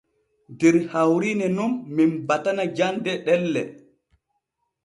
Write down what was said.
Der hawrine nun men batana jande ɗelle.